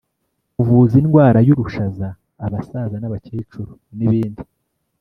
kuvuza indwara y’urushaza abasaza n’abakecuru n’ibindi